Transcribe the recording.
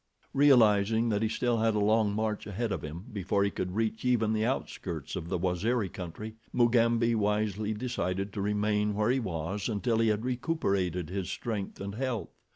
Realizing that he still had a long march ahead of him before he could reach even the outskirts of the Waziri country, Mugambi wisely decided to remain where he was until he had recuperated his strength and health.